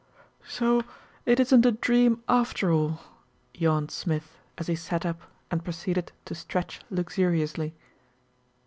"So it isn't a dream after all," yawned Smith, as he sat up and proceeded to stretch luxuriously.